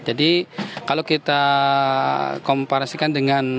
jadi kalau kita komparasikan dengan